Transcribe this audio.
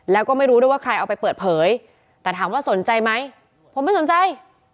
แล้วก็ไม่รู้ด้วยว่าใครเอาไปเปิดเผยแต่ถามว่าสนใจไหมผมไม่สนใจ